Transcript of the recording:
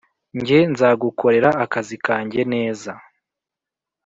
njye nzagukorera kazi kanjye neza